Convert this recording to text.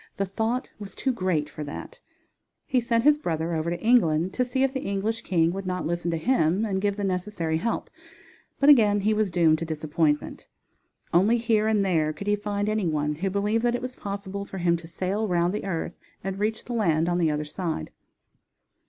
The thought was too great for that. He sent his brother over to England to see if the English king would not listen to him and give the necessary help, but again he was doomed to disappointment. Only here and there could he find any one who believed that it was possible for him to sail round the earth and reach the land on the other side.